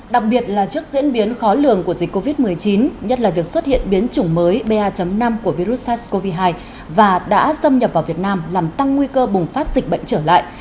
đặc biệt là trước diễn biến khó lường của dịch covid một mươi chín nhất là việc xuất hiện biến chủng mới ba năm của virus sars cov hai và đã xâm nhập vào việt nam làm tăng nguy cơ bùng phát dịch bệnh trở lại